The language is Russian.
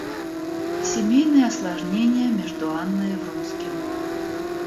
Семейные осложнения между Анной и Вронским.